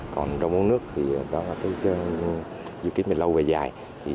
còn rau muống nước thì đoán là có dự kiến lâu về dài